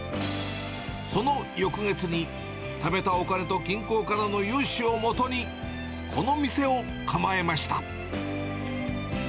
その翌月に、ためたお金と銀行からの融資をもとに、この店を構えました。